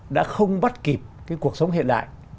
đã không bắt kịp cái cuộc sống hiện đại